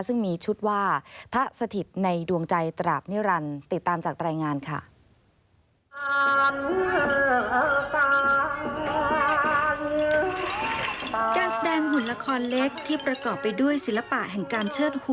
ซึ่งมีชุดว่าพระสถิตในดวงใจตราบนิรันดร์